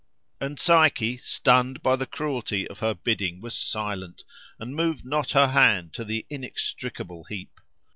And Psyche, stunned by the cruelty of her bidding, was silent, and moved not her hand to the inextricable heap.